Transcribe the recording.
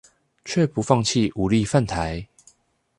卻不放棄武力犯台